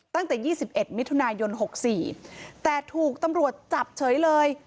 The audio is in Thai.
ตั้งแต่ยี่สิบเอ็ดมิถุนายนหกสี่แต่ถูกตำรวจจับเฉยเลย